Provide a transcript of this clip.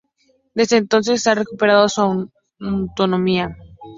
Desde entonces, ha recuperado su autonomía.